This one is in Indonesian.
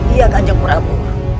iya kajeng prabu